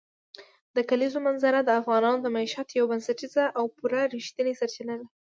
د کلیزو منظره د افغانانو د معیشت یوه بنسټیزه او پوره رښتینې سرچینه ده.